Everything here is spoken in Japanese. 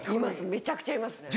めちゃくちゃいますね。